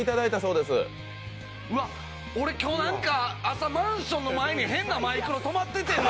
うわっ、今日なんかマンションの前に変なマイクロが止まっててん。